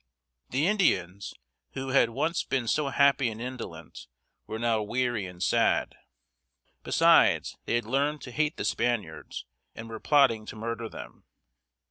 The Indians, who had once been so happy and indolent, were now weary and sad. Besides, they had learned to hate the Spaniards, and were plotting to murder them.